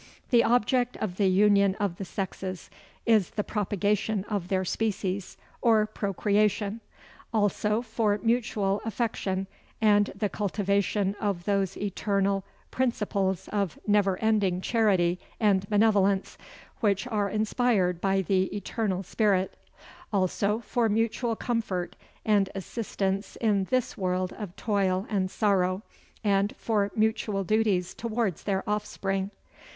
The object of the union of the sexes is the propagation of their species, or procreation; also for mutual affection, and the cultivation of those eternal principles of never ending charity and benevolence, which are inspired by the Eternal Spirit; also for mutual comfort and assistance in this world of toil and sorrow, and for mutual duties towards their offspring.